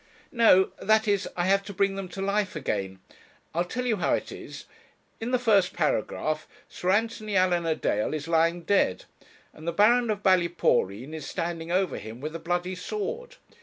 'No that is, I have to bring them to life again. I'll tell you how it is. In the first paragraph, Sir Anthony Allan a dale is lying dead, and the Baron of Ballyporeen is standing over him with a bloody sword.